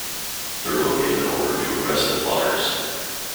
Thurloe gave an order to arrest the plotters.